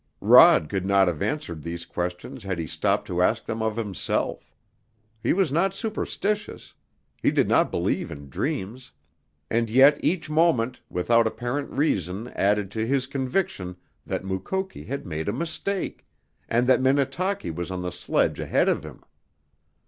Rod could not have answered these questions had he stopped to ask them of himself. He was not superstitious. He did not believe in dreams. And yet each moment, without apparent reason added to his conviction that Mukoki had made a mistake, and that Minnetaki was on the sledge ahead of him.